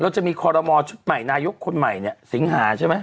จะมีคมำชุดใหม่นายกคนใหม่เนี้ยสิงหาเสร็จมั้ย